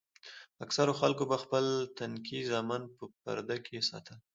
اکثرو خلکو به خپل تنکي زامن په پرده کښې ساتل.